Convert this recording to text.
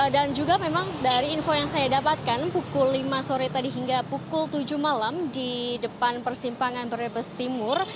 juga memang dari info yang saya dapatkan pukul lima sore tadi hingga pukul tujuh malam di depan persimpangan brebes timur